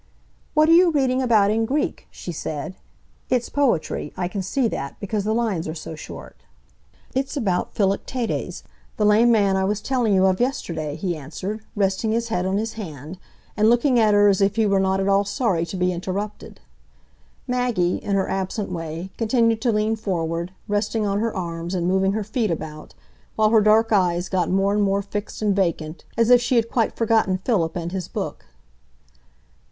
"What are you reading about in Greek?" she said. "It's poetry, I can see that, because the lines are so short." "It's about Philoctetes, the lame man I was telling you of yesterday," he answered, resting his head on his hand, and looking at her as if he were not at all sorry to be interrupted. Maggie, in her absent way, continued to lean forward, resting on her arms and moving her feet about, while her dark eyes got more and more fixed and vacant, as if she had quite forgotten Philip and his book.